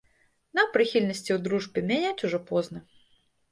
Нам прыхільнасці ў дружбе мяняць ўжо позна.